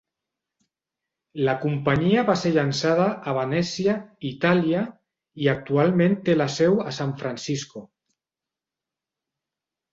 La companyia va ser llançada a Venècia, Itàlia, i actualment té la seu a San Francisco.